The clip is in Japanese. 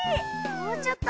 もうちょっと。